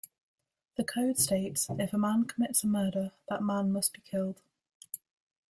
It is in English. The code states, If a man commits a murder, that man must be killed.